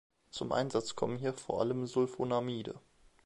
Zum Einsatz kommen hier vor allem Sulfonamide.